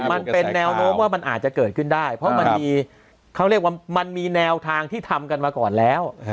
มันเป็นแนวโน้มว่ามันอาจจะเกิดขึ้นได้เพราะมันมีเขาเรียกว่ามันมีแนวทางที่ทำกันมาก่อนแล้ว